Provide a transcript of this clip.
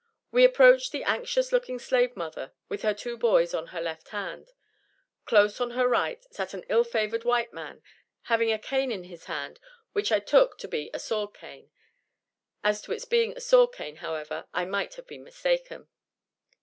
We approached the anxious looking slave mother with her two boys on her left hand; close on her right sat an ill favored white man having a cane in his hand which I took to be a sword cane. (As to its being a sword cane, however, I might have been mistaken.)